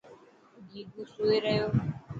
گيگو سوئي رهيو.